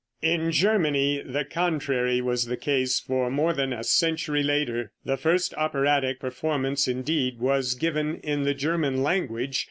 In Germany the contrary was the case for more than a century later. The first operatic performance, indeed, was given in the German language.